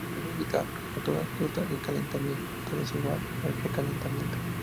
Se debe evitar a toda costa el calentamiento desigual o el recalentamiento.